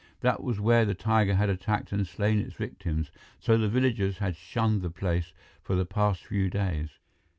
That was where the tiger had attacked and slain its victims, so the villagers had shunned the place for the past few days.